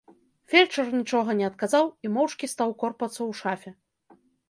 Фельчар нічога не адказаў і моўчкі стаў корпацца ў шафе.